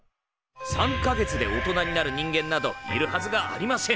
３か月で大人になる人間などいるはずがありません！